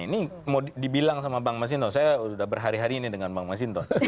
ini mau dibilang sama bank masinton saya sudah berhari hari ini dengan bank masinton